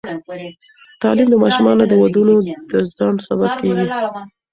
تعلیم د ماشومانو د ودونو د ځنډ سبب کېږي.